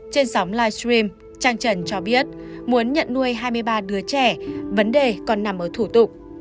trên sóng live stream trang trần cho biết muốn nhận nuôi hai mươi ba đứa trẻ vấn đề còn nằm ở thủ tục